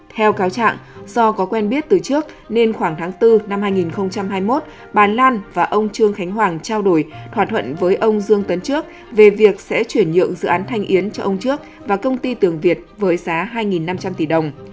theo cáo trạng do có quen biết từ trước nên khoảng tháng bốn năm hai nghìn hai mươi một bà lan và ông trương khánh hoàng trao đổi thỏa thuận với ông dương tấn trước về việc sẽ chuyển nhượng dự án thanh yến cho ông trước và công ty tường việt với giá hai năm trăm linh tỷ đồng